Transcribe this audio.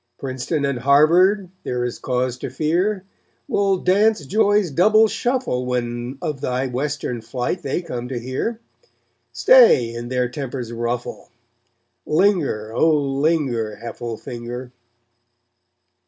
Princeton and Harvard, there is cause to fear Will dance joy's double shuffle when of thy Western flight they come to hear. Stay and their tempers ruffle. Linger, oh, linger, Heffelfinger.